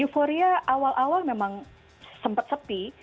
euforia awal awal memang sempat sepi